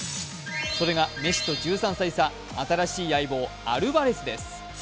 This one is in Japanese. それがメッシと１３歳差新しい相棒、アルバレスです。